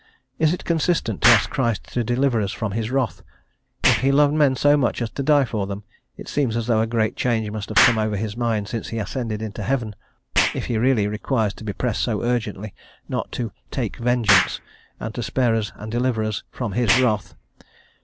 Is it consistent to ask Christ to deliver us from His wrath? if He loved men so much as to die for them, it seems as though a great change must have come over His mind since He ascended into heaven, if He really requires to be pressed so urgently not to "take vengeance," and to spare us and deliver us from His wrath.